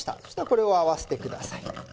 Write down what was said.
そしたらこれを合わせてください。